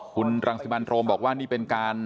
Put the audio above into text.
คุณรังสิมันโรมบอกว่านี่เป็นการ